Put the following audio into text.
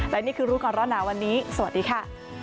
และนี่คือรู้ก่อนร้อนหนาวันนี้สวัสดีค่ะ